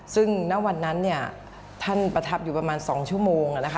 ซึ่งณวันนั้นท่านประทับอยู่ประมาณ๒ชั่วโมงนะคะ